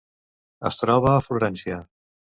Es troba a Florència.